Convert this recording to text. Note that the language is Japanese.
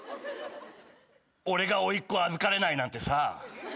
俺が甥っ子預かれないなんてさ。